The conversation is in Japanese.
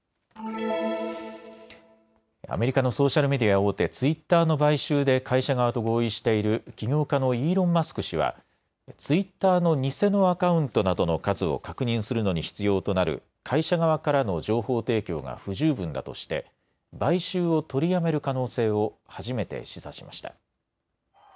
アメリカのソーシャルメディア大手、ツイッターの買収で会社側と合意している起業家のイーロン・マスク氏はツイッターの偽のアカウントなどの数を確認するのに必要となる会社側からの情報提供が不十分だとして買収を取りやめる可能性を初めて示唆しました。